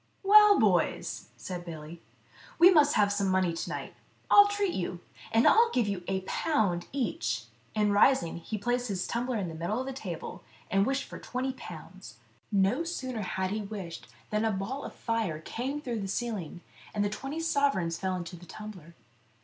"Well, boys," said Billy, "we must have some money to night. I'll treat you, and give you a pound each," and rising, he placed his tumbler in the middle of the table, and wished for twenty pounds. No sooner had he wished than a ball of fire came through the ceiling, and the twenty sovereigns fell into the tumbler.